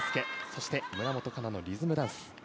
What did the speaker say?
そして村元哉中のリズムダンス。